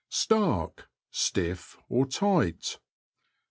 Stark. — Stiff, or tight.